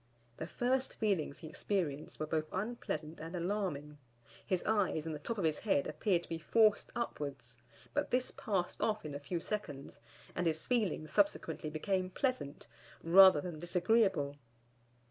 The first feelings he experienced were both unpleasant and alarming; his eyes and the top of his head appeared to be forced upwards, but this passed off in a few seconds, and his feelings subsequently became pleasant, rather than disagreeable.